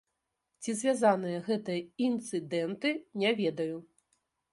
Ці звязаныя гэтыя інцыдэнты, не ведаю.